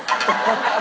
ハハハハ！